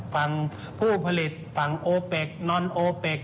ฝั่งผู้ผลิตฝั่งโอเป็กนอนโอเป็ก